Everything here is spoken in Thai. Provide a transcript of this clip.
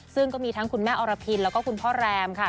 ซึ่งก็มีทั้งคุณแม่อรพินแล้วก็คุณพ่อแรมค่ะ